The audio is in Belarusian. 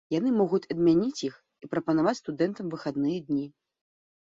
Яны могуць адмяніць іх і прапанаваць студэнтам выхадныя дні.